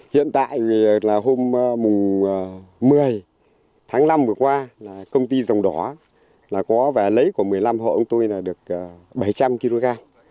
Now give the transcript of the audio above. hiện tại là hôm một mươi tháng năm vừa qua là công ty dòng đỏ là có và lấy của một mươi năm hộ của tôi là được bảy trăm linh kg